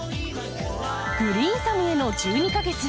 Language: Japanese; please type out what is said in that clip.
「グリーンサムへの１２か月」。